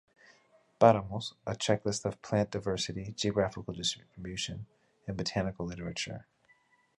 Páramos, a checklist of plant diversity, geographical distribution, and botanical literature.